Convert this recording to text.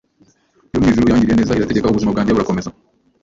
yo mu ijuru yangiriye neza irategeka ubuzima bwanjye burakomeza